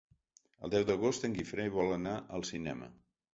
El deu d'agost en Guifré vol anar al cinema.